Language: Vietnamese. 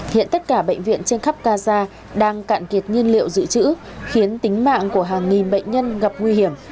hiện tất cả bệnh viện trên khắp gaza đang cạn kiệt nhiên liệu dự trữ khiến tính mạng của hàng nghìn bệnh nhân gặp nguy hiểm